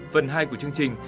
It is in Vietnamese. phần hai của chương trình